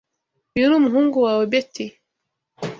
Uyu ni umuhungu wawe, Betty?